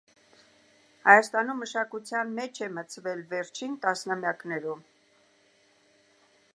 Հայաստանում մշակության մեջ է մտցվել վերջին տասնամյակներում։